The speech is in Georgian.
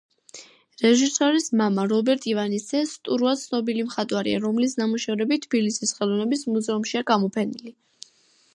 რეჟისორის მამა, რობერტ ივანეს ძე სტურუა ცნობილი მხატვარია, რომლის ნამუშევრები თბილისის ხელოვნების მუზეუმშია გამოფენილი.